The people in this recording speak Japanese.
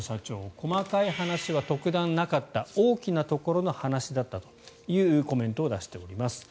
細かい話は特段なかった大きなところの話だったというコメントを出しております。